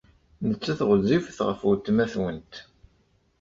Nettat ɣezzifet ɣef weltma-twent.